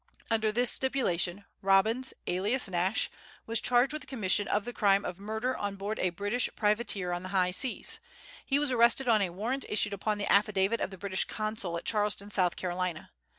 Under this stipulation Robbins, alias Nash, was charged with the commission of the crime of murder on board a British privateer on the high seas. He was arrested on a warrant issued upon the affidavit of the British Consul at Charleston, South Carolina.